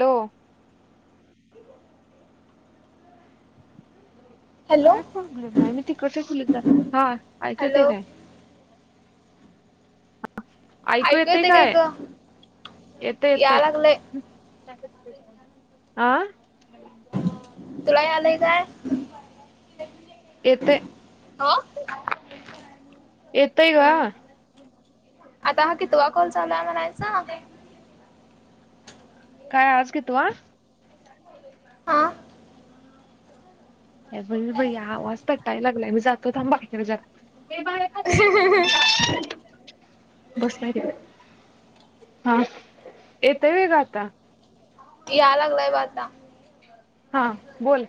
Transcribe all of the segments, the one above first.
Hello. Hello काय problem आहे मी तिकडल हा ऐक हॅलो ते काय. ऐकू येतेय काय येत या येते. लागलंय आ तुलाही आलंय काय. येते. हो. येतय का. आता ह कि तुवा कोल चालाय म्हणायच. काय आज घे तू. हा. पण आवाज तर टायला लागलाय मी जातो थांबा बाहेर जरा. हे बाहे ना तू. बसल्या ठिक हा येत व का आता. या लागलाय ब आता. हां बोल.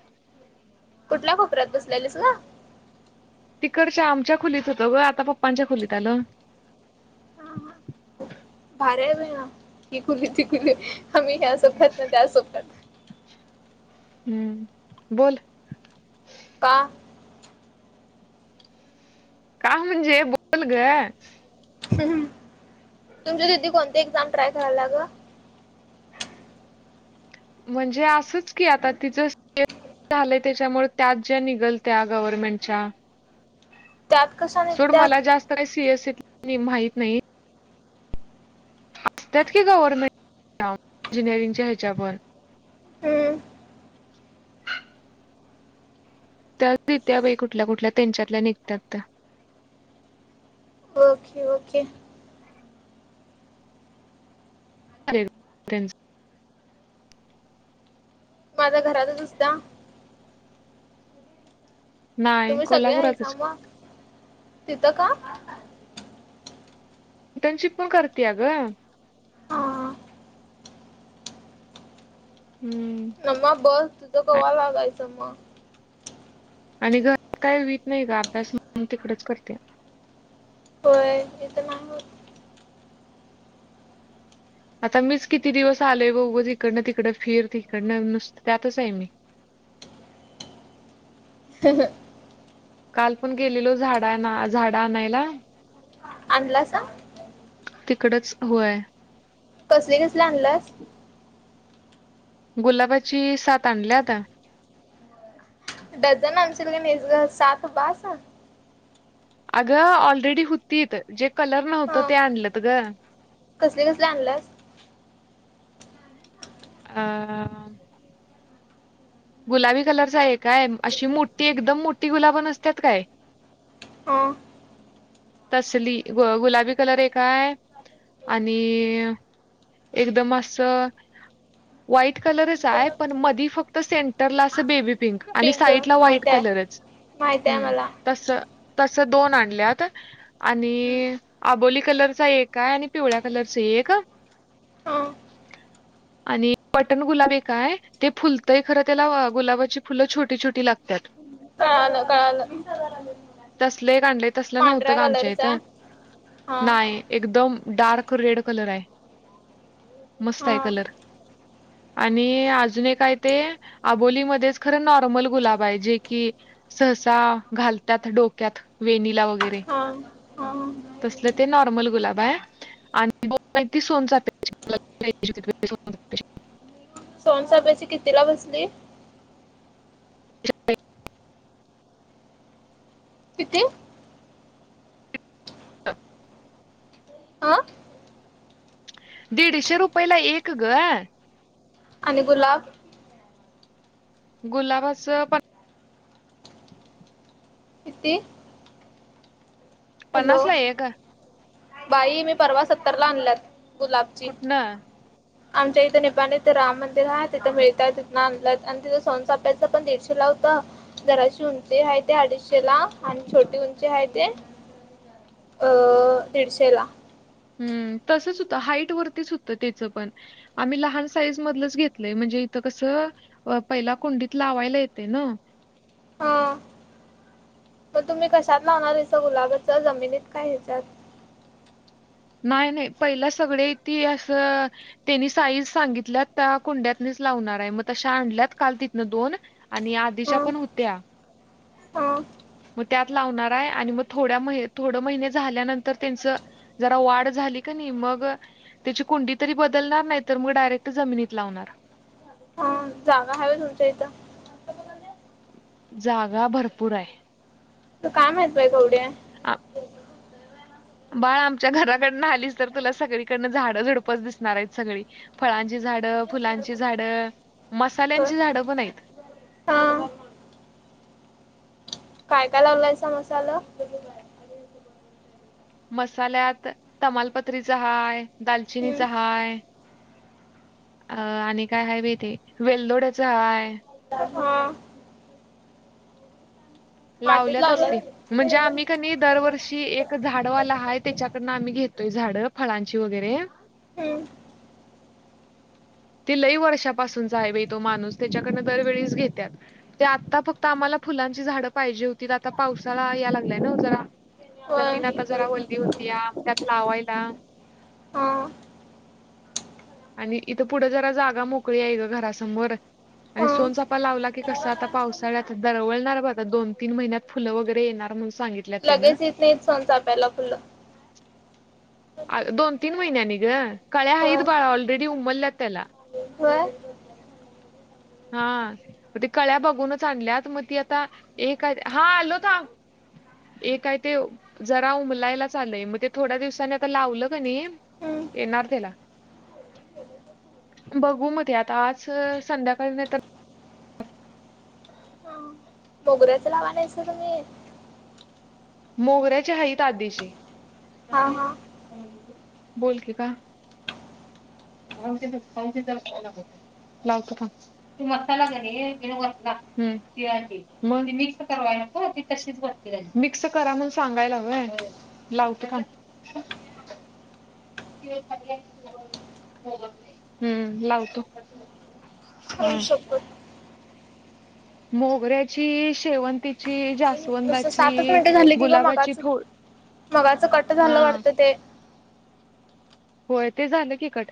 कुठल्या कोपऱ्यात बसलेलेस व. तिकडच्या आमच्या खोलीत होतं ग आता पप्पांच्या खोलीत आलं. भार आहे ब ना क कुली तिकुली आम्ही ह्या सोपतात ना त्या सोपतात. हम्म बोल. का का म्हजे बोलग. ह तुमच्या तिथी कोणती एक्झाम ट्राय करायला ला गं. [inaudible] म्हणजे असंच की आता तिचं. झालंय त्याच्यामुळे त्यात ज्या निघलत्या गव्हर्नमेंटच्या. त्यात कस. सोड मला जास्त का सीएससीत माहीत नाही. त्यात की गवरर्नमेंट इंजिनिअयरिंगच्या ह्याच्या पण. हम्म [inaudible] त्यारीत्या काही कुठल्या कुठल्या त्यांच्यातल्या निघतात त्या. Okay okay. अर. माझा घरातचुसता. नाही तुम्ही सगळे आहेसा कोल्हापुरातच म तिथं का. इंटर्नशिप पण करते अ ग. हा. हम्म. न्मा बस तिथं आ- कवा्हा ला जायचं मग आणि घर काय वत नाही का अभ्यास म्हणून तिकडच करते होय ते तर मा आता मीच किती दिवस आलेय बघ तिकडनं तिकडं फिर तिकडनं नुसतं त्यातच आहे मी. खब [unintelligible] काल पण गेलेलो झाडा झाड आणायला. आणलासा. तिकडच होय. कसले कसले आणलास. गुलाबाची सात आणल्या आता. डझन आणशील का नि सात बास. अगं ऑलरेडी होतीत जे कलर हा नव्हतं ते आणलंत ग. कसले कसले आणल्यास. ह. गुलाबी कलरच आहे काय अशी मोठी एकदम मोठी गुलाब नसतात काय. हा. तसली ग गुलाबी कलर एक हाय आणि. एकदम असं. व्हाईट कलरच आहे पण मधी फक्त सेंटरला अस बेबी पिंक आणि साईडला व्हाईट माहित आहे कलरच माहित आहे मला तस तस दोन आणल्यात. आणि हम्म. आबोली कलरचा एक आहे आणि पिवळ्या कलरचा एक. [inaudible] आणि बटण गुलाबी काय. ते फुलतंय खरं त्याला गुलाबाची फुलं छोटी छोटी लागतात. कळालं कळालं तसले एक आणले तसले नव्हत. पांढऱ्या का आमच्या कलरचा इथं हा नाही एकदम डार्क रेड कलर आहे मस्त हा आहे कलर. आणि अजून एक काय ते आबोलीमध्ये खरं नॉर्मल गुलाब आहे जे की. सहसा घालतात डोक्यात वेनिला वगैरे. हा हा तसलं ते नॉर्मल गुलाब आहे आणि ब माहिती सोनचा प्यायची. सोहन साहेबची किती ला बसली किती हा. हा दीडशे रुपयला एक ग. आणि गुलाब. गुलाबच कितीे. पन्नास ला एक. बाई मी परवा सत्तरला आणल्यात गुलाबची कुठनं? आमच्या इथं निपपाण इथं राम मंदिर आहे तिथं मिळतात तिथून आणलंत आणि तिथं स. त्याच पण दीडशेला होत. जराश उंची आहे ते अडीचशे ला आणि छोटी उंची आहे ते अह दीडशेला हम्म तसंच होतं हाईट वरतीच होतं त्याचं पण आम्ही लहान साईज मधलंच घेतलंय म्हणजे इथं कसं पहिला कुंडीत लावायला येते न हा मग तुम्ही कशात लावणार याचं गुलाबाचं जमिनीत काय ह्याच्यात नाही नाही पहिला सगळे ती असं त्यांनी साईज सांगितल्या त्या कुड्यातनीच लावणार आहे मग तशा आणल्यात काल तिथनं दोन. आणि आ दिशा हा पण होत्या [inaudible] मग त्यात लावणार आहे आणि मग थोड्या महि थोडं महिने झाल्यानंतर त्यांचं जरा वाढ झाली का नाही मग त्याची कुंडी तरी बदलणार नाही तर मग डायरेक्ट जमिनीत लावणार. हा जागा हव तुमच्या इथं जागा भरपूर आहे. तू काय माहित बाई [unintelligible] ह बाळ आमच्या घराकडन आलीच तर तुला सगळीकडन झाडं झुडपच दिसणार आहेत सगळी. फळांची झाडं फुलांची झाड होय मसाल्यांची झाडं पण आहेत. हा. काय लावलायचा मसाला मसाल्यात तमालपत्रीचा हाय हम्म दालचिनीचा हाय अ आणि काय ह बी ते वेलदोड्याच हाय. हा मातीत लावल्यात असली म्हणजे लावलाय. आम्ही कणी दरवर्षी एक झाडवाला हाय त्याच्याकडनं आम्ही घेतोय झाडं फळांची वगैरे हम्म ती लई वर्षापासूनचा आहे बा तो माणूस त्याच्याकडनं दरवेळीच घेतात ते आता फक्त आम्हाला फुलांची झाडं पाहिजे होती आता पावसाळा या लागलाय ना जरा जमीन होय आता जरा वल्ली होती या त्यात लावायला हा आणि इथं पुढं जरा जागा मोकळी आहे ग घरासमोर आणि हा सोनचापा लावला की कस आता पावसाळ्यात दरवळणार बघ दोन तीन महिन्यात फुलं वगैरे येणार म्हणून सांगितले. लगेच इत नाही सोनचाफ्याला फुलं दोन तीन महिन्यानी ग, कळ्या हाईत बाळा ऑलरेडी उमलल्यात त्याला हो हा मग ते कळ्या बघूनच आणल्यात मग ती आता एक हा आलो थांब. एक काय ते जरा उमलायलाच आलय मग ते थोड्या दिवसाांनी आता लावलं का नाही हम्म येणार त्याला बघू म ते आता आज संध्याकाळ म मोगऱ्याचं लावानायचं तुम्ही मोगऱ्याचे ह त आ देशी हा हा बोलते का [unintelligible] लावतो थांब. ती मसाला कणी वतला हम तिळा मगून मिक्स करावय नको ती तशीच बरणी मिक्स करा म्हण सांगायला व्हय, लावतो थांब. [unintelligible] हम्म लावतो. हा आई शप्पत मोगऱ्याची, शेवंतीची जास्त नुसतं सातच जास्वंदाची, मिनिटे झाली की ग गुलाबाची मगाच थो मगाच कट हा झालं वाटतं ते होय ते झालं की कट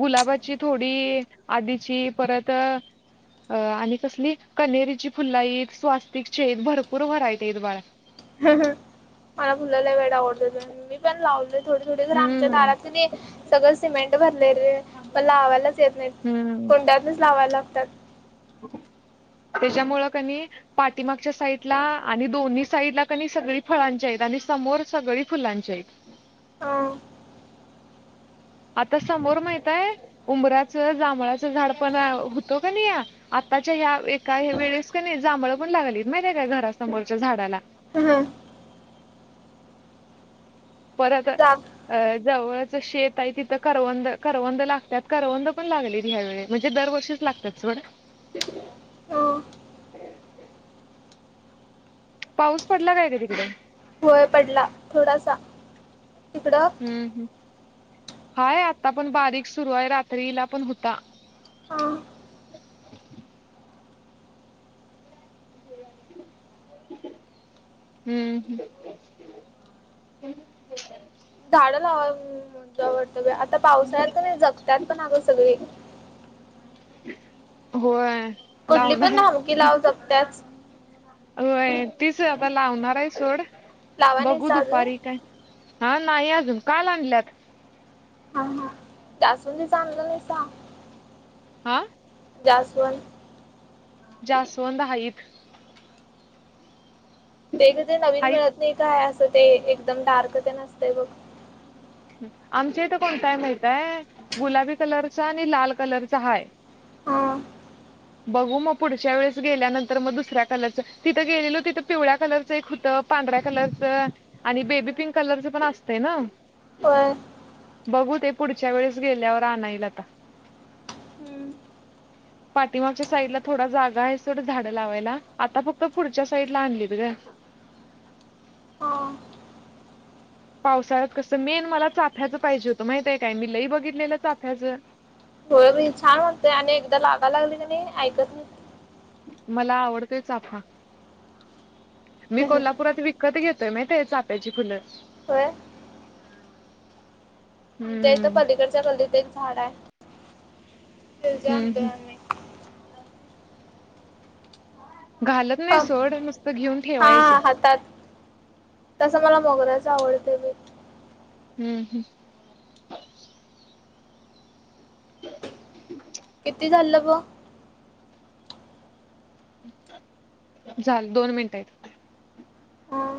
गुलाबाची थोडी, आधीची परत अ आणि कसली कनेरीची फुल्ल हाईत, स्वास्तिक भरपूर व्हरायटी आहेत बाळा. हाह मला फुल लय वेळ आवडत मी पण लावल. थोडे थोडे घर आमच्या हम्म दारात सगळं सिमेंट भरले र आहे पण लावायलाच येत नाही हम्म कोंड्यातच लावायला लागतात त्याच्यामुळं कनी पाठीमागच्या साईडला आणि दोन्ही साईडला क सगळी फळांच्या आहेत आणि समोर सगळी फुलांच्या आहेत हा आता समोर माहितय उबराचं जांभळाचं झाड पण होतं का नि या आताच्या ह्या एका वेळेस का नाही जांभळ पण लागलीत माहितीे काय घरासमोरच्या झाडाला ह पराता जाग जवळच शेत आहे तिथं करवंद करवंद लागतात करवंद पण लागलेत ह्या वेळे म्हणजे दरवर्षीच लागतात सथडं ह पाऊस पडला काय का तिकडे होय पडला थोडासा तिकडं हम्म ह् हाय आता पण बारीक सुरू आहे रात्रीला पण होता अं, हम्म झाडं लावा म्हणजो आवडतं आता पावसाळ्यात नाही जगत्यात पण अगं सगळी होय कुठली पण लावणार झाड लावू शकतच होय तीच आता लावणार आहे सोड लावा नाही बघू सा अजून दुपारी काय हा नाही अजून का आणल्यात हा हा त्या असून चागल नाही स हा जास्वंद जास्वंद हाईत ते क ते नवीन मिळत हाईत नाही काय असं ते एकदम डार्क ते नसतं बघ आमच्या इथे कोणताही माहीतीय गुलाबी कलरचा आणि लाल कलरचा हाय हो बघू मग पुढच्या वेळेस गेल्यानंतर मग दुसऱ्या कलरचं तिथं गेलेल तिथ पिवळ्या कलरचं एक होतं पांढऱ्या कलरच आणि बेबी पिंक कलरचं पण असतें ना हो बघू ते पुढच्या वेळेस गेल्यावर आणाईल आता हं पाठिमागच्या साईडला थोडा जागा आहे सोड झाडं लावायला आता फक्त पुढच्या साईडला आणलीत गं हां पावसाळ्यात कसं मेन मला चाफ्याचं पाहिजे होतं माहितीय काय मी लई बघितलेलं चाफ्याचं थोडं छान होते आणि एकदा लागाय लागली नाही ऐकत नाही मला आवडतय चाफा मी कोल्हापुरात विक कधी घेताय माहितहाय चाफ्याची फुलं होय आमच्या इथं हम्म पलीकडच्या गल्लीत एक झाड आहे हम्म हम्म [unintelligible] घालत नाही सोड नुस्त घेऊन हा ठेवायचं हातात तसं मला मोगराच आवडते मी हम्म हम्म ह् किती [unintelligible] ब झालं दोन मिनिटं आहेत हां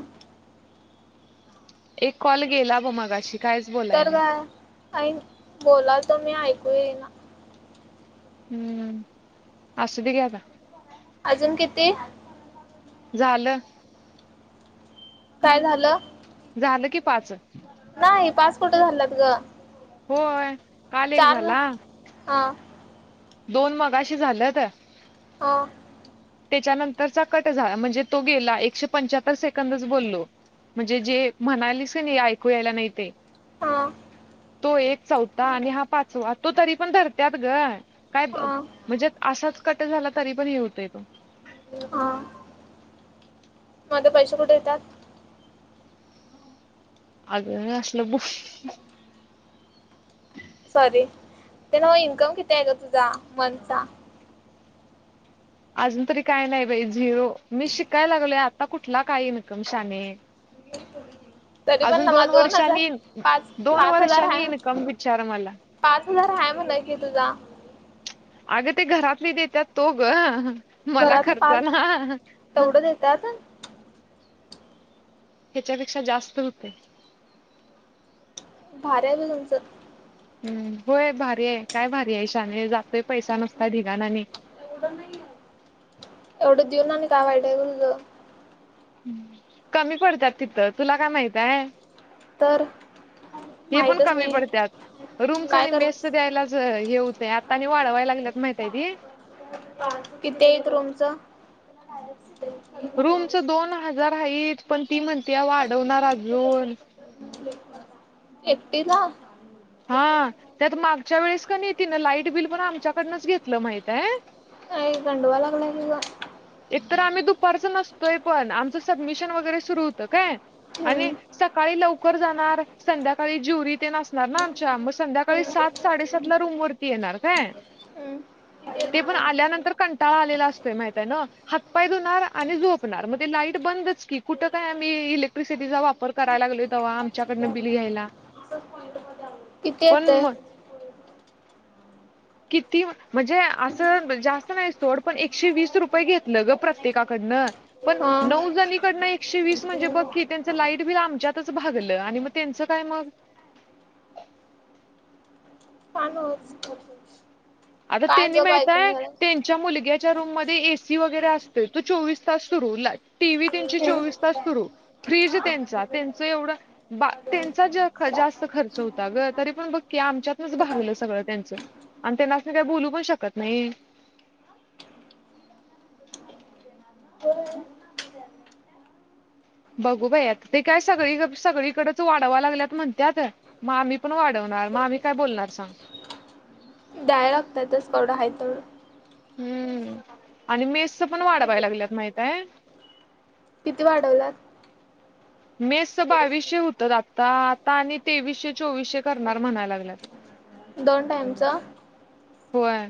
एक कॉल गेला बं मगाशी कायच बोलाय तर नाही काय बोलातो मी ऐकू ये ना हम्म असूदे घे आता अजून किती झालं काय झालं? झालं की पाच! नाही पाच कुठं झाल्यात गं? होय. काल एक चार झाले. झाला दोन मघाशी झाल्यात हो. त्यांच्या नंतरचा कट झाला म्हणजे तो गेला एकशे पंच्याहत्तर सेकंदच बोललो. म्हणजे जे म्हणालीस नाही ऐकू यायला नाही ते! हा तो एक चौथा आणि हा पाचवा तो तरी पण धरत्यात गं. काय हा म्हणजे असाच कट झाला तरी पण हे होतंय तो. हा! माझं पैसे कुठे येतात? अग असलं बो सॉरी, ते नव्ह इन्कम किती आहे गं तुझा मंथचा? अजून तरी काय नाही बाई झिरो मी शिकायला, लागलोय आता कुठला काय इन्कम शाहणे. [unintelligible] तरी पण ना मला दोन हजार वर्षांनी पाच दोन पाच हजार हाय. वर्षांनी इन्कम विचार मला पाच हजार हाय म्हणं की तुझा. अगं ते घरातली देतात तो गं. घरातले पाच तेवढं देत्यात. ह्याच्यांपेक्षा जास्त होतंय. भारी आहे तुमचं! होय भारी आहे काय भारी शाहाणे आहे जातोय पैसा नुसता ढिगांण आणि एवढं देऊन आणि काय वाईट आहे ग तुज? कमी पडत्यात तिथं तुला काय माहिताय? तर हे पण माहितच कमी नाही पडत्यात रूमचं काय आणि कर मेस द्यायलाच हेहुतंय आता आणि वाढवाय लागल्यात माहिताय ती. कितीय रूमचं? रूमच दोन हजार आहेत पण ती म्हणती वाढवणार अजून! एकटीला? हा त्यात मागच्या वेळेस का नाहीेत ना लाईट बिल पण आमच्याकडनंच घेतलं माहित आहे. काय गांडवाईला लागलीय की ग! एकतर आम्ही दुपारच नसतोय पण आमचं सबमिशन वगैरे सुरू होतं काय! आणि हम्म सकाळी लव कर जाणार, संध्याकाळी ज्युरी ते नणार ना आमच्या मग संध्याकाळी हम्म सात साडेसात रूम वर ती येणार काय हम्! ते पण आल्यानंतर कंटाळा आलेला असतय माहितय ना? हातपाय धुणार आणि झोपणार मणे लाईट बंदच की कुठं काय आम्ही इलेक्ट्रिसिटीचा वापर करायला लागलोय तवा आमच्याकडनं बिल घ्यायला. किती येतय? पण किती म्हणजे असं जास्त नाही सोड पण एकशे वीस रुपये घेतलं ग प्रत्येकाकडनं. पण हा नऊ जणीकडन एकशे वीस म्हणजे बघकी त्यांचं लाईट बिल आमच्यातच भागलं आणि मग त्यांचं काय मग [unintelligible] आता काय त्यांनी गप ऐकून माहितय झालं त्यां च्या मुलग्याच्या रूम मध्ये एसी वगैरे असते तो चोवीस तास सुरू ला टी व्ही त्यांची चोवीस तास सुरू फ्रीज त्यांचा त्यांचं एवढं बा त्यांचा जास्त खर्च होता ग तरी पण बघ क आमच्यातनच भागलं सगळं त्यांच! आणि त्यांना अस काही बोलू पण शकत नाही. बघू बाई आता ते काय सगळी सगळीकडेच वाढाव लागल्यात म्हणते आता. मामी पण वाढवणार मामी काय बोलणार सांग. द्याय लागतातच कवढं आहे तेवडं. हम्म आणि मेस पण वाढवाय लागल्यात माहितय. किती वाढवलात. मेस बावीसशे होतात आता आता आणि तेवीसशे चोवीसशे करणार म्हणायला लागल्यात. दोन टाइमचा. होय.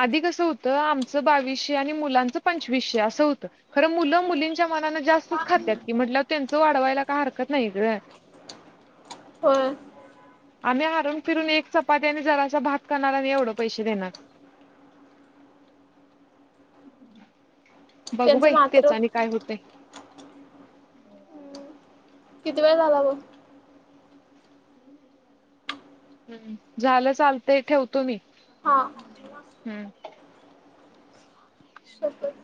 आधी कसं होतं आमचं बावीसशे आणि मुलांचं पंचवीसशे असं होतं. खरं मुलं मुलींच्या मनां जास्तच खातात की म्हटल्या त्यांचं वाढवायला काय हरकत नाही ग. हो आम्ही हारून फिरून एक चपातीने जराशा भात करणार आणि एवढं पैसे देणार. बघू त्यांचं बाय मात्र तेच आणि काय होतय. किती वेळ झाला ग. हम्म झालं चालत ठेवतो मी हा हम्म. शपथ